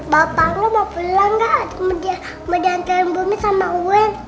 bapak lo mau pulang gak mau diantara bumi sama wen